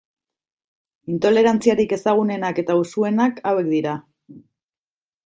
Intolerantziarik ezagunenak eta usuenak hauek dira.